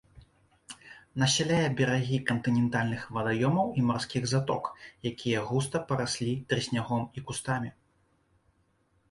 Насяляе берагі кантынентальных вадаёмаў і марскіх заток, якія густа параслі трыснягом і кустамі.